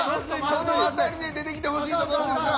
この辺りで出てきてほしいところですが。